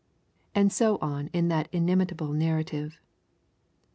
And so on in that inimitable narrative.